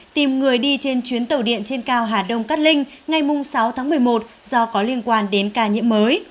tìm người đi trên chuyến tàu điện trên cao hà đông cát linh ngày sáu tháng một mươi một do có liên quan đến ca nhiễm mới